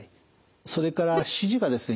それから指示がですね